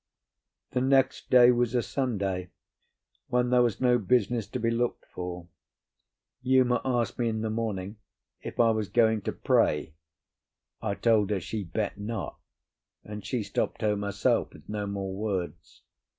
The next day was a Sunday, when there was no business to be looked for. Uma asked me in the morning if I was going to "pray"; I told her she bet not, and she stopped home herself with no more words.